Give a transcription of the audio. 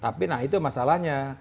tapi nah itu masalahnya